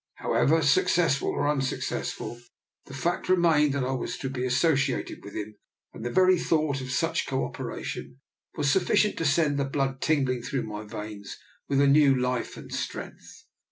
However, successful or unsuccessful, the fact remained that I was to be associated with him, and the very thought of such co operation was sufficient to send the blood tingling through my veins with new life and strength.